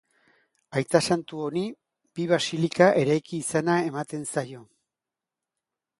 Aita santu honi, bi basilika eraiki izana ematen zaio.